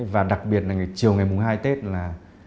và đặc biệt là chiều ngày mùng hai tết là